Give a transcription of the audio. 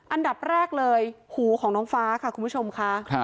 อันดับแรกเลยหูของน้องฟ้าค่ะคุณผู้ชมค่ะ